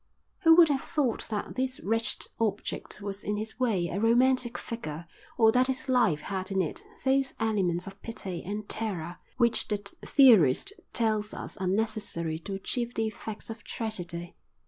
Who would have thought that this wretched object was in his way a romantic figure or that his life had in it those elements of pity and terror which the theorist tells us are necessary to achieve the effect of tragedy?